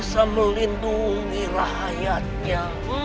harus bisa melindungi rakyatnya